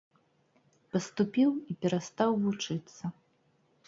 Паступіў і перастаў вучыцца.